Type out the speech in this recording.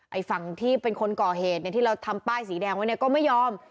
ไอ้ฝั่งที่เป็นคนก่อเหตุเนี่ยที่เราทำป้ายสีแดงไว้เนี่ยก็ไม่ยอม